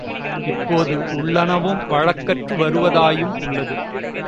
இதுபோ துள்ளனவும் வழக்கற்று வருவதாயும் உள்ளது.